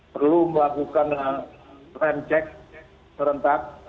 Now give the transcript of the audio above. perlu melakukan frame check serentak